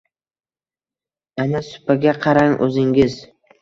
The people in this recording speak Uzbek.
Ana supaga qarang o‘zingiz!